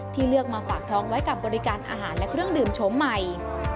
เลือกมาฝากท้องไว้กับบริการอาหารและเครื่องดื่มโฉมใหม่